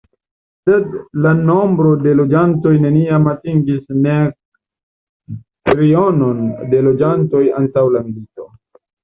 Sed la nombro de loĝantoj neniam atingis nek trionon de loĝantoj antaŭ la milito.